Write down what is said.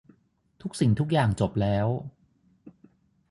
ทุกสิ่งทุกอย่างจบแล้ว